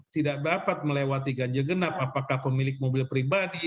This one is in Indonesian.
tidak dapat melewati ganjil genap apakah pemilik mobil pribadi